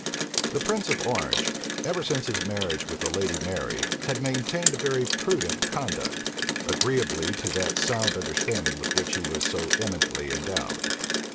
The prince of Orange, ever since his marriage with the lady Mary, had maintained a very prudent conduct; agreeably to that sound understanding with which he was so eminently endowed.